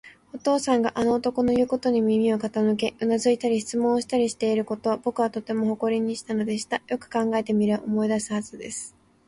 お父さんがあの男のいうことに耳を傾け、うなずいたり、質問したりしていることを、ぼくはとても誇りにしたのでした。よく考えてみれば、思い出すはずです。